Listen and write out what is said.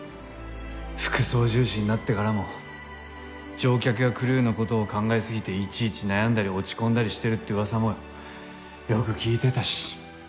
副操縦士になってからも乗客やクルーの事を考えすぎていちいち悩んだり落ち込んだりしてるって噂もよく聞いてたし。